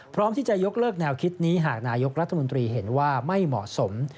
พร้อมที่จะยกเลิกแนวคิดนี้หากนายกรัฐมนตรีเห็นว่าไม่เหมาะสม